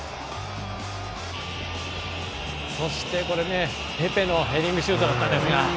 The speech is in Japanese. そして、ペペのヘディングシュートだったんですが。